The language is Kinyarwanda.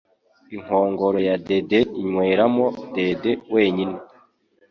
Inkongoro yadede inywera mo dede wenyine